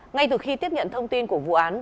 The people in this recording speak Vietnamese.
ngay từ khi tiếp nhận thông tin của vụ án